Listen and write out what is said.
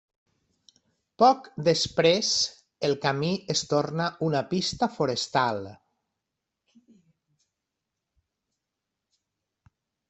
Poc després el camí es torna una pista forestal.